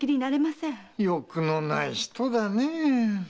欲のない人だねェ。